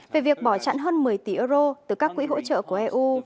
về việc bỏ chặn hơn một mươi tỷ euro từ các quỹ hỗ trợ của eu